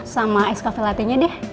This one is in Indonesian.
sama es kaffe latte nya deh